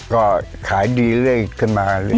ก็ขายดีเรื่อยขึ้นมาเรื่อย